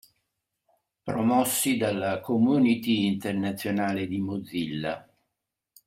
Promossi dalla Community Internazionale di Mozilla.